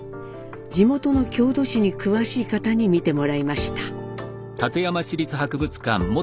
地元の郷土史に詳しい方に見てもらいました。